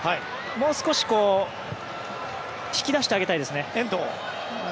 もう少し引き出してあげたいですね。